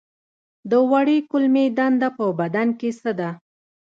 د وړې کولمې دنده په بدن کې څه ده